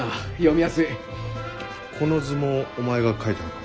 この図もお前が描いたのか？